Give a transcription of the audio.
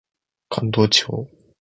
関東地方